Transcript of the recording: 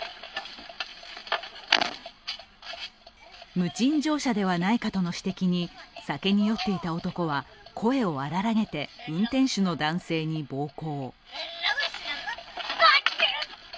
無賃乗車ではないかとの指摘に酒に酔っていた男は、声を荒らげて運転手の男性に暴行。